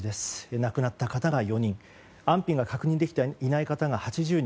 亡くなった方が４人安否が確認できていない方が８０人。